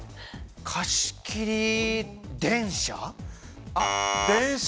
貸し切り電車。